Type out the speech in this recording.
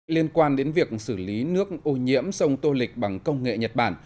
liên quan đến việc xử lý nước ô nhiễm sông tô lịch bằng công nghệ nhật bản